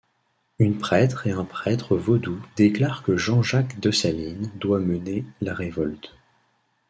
Une prêtre et un prêtre vaudou déclarent que Jean-Jacques Dessalines doit mener la révolte.